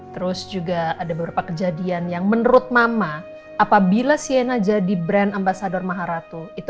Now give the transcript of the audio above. terus juga ada beberapa kejadian yang menurut mama apabila siena jadi brand ambasador maharatu